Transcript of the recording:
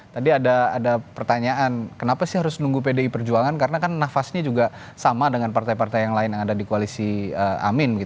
tadi ada pertanyaan kenapa sih harus nunggu pdi perjuangan karena kan nafasnya juga sama dengan partai partai yang lain yang ada di koalisi amin